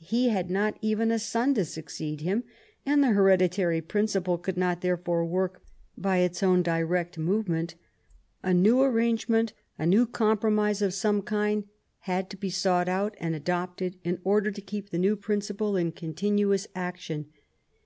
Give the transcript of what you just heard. He had not even a son to succeed him, and the heredi tary principle could not therefore work by its own direct movement. A new arrangement, a new compro mise of some kind, had to be sought out and adopted in order to keep the new principle in continuous action.